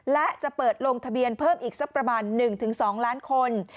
และจะเปิดลงทะเบียนเพิ่มอีกสักประมาณ๑๒ล้านคน